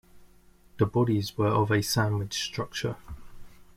The bodies were of a sandwich structure.